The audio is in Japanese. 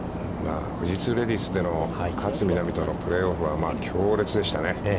富士通レディースでの勝みなみとのプレーオフは強烈でしたね。